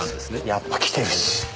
やっぱ来てるし。